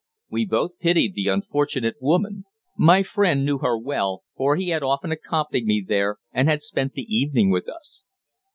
We both pitied the unfortunate woman. My friend knew her well, for he had often accompanied me there and had spent the evening with us.